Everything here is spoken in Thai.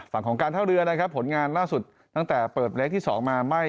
ฝั่งของการท่าเรือนะครับผลงานล่าสุดตั้งแต่เปิดเลขที่๒มาไม่